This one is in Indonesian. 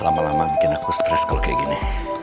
lama lama bikin aku stres kalau kayak gini